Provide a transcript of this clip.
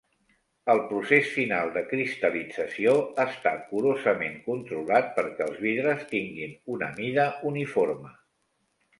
El procés final de cristal·lització està curosament controlat perquè els vidres tinguin una mida uniforme.